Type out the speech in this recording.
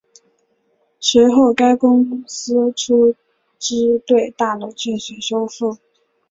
随后该公司出资对大楼进行修复。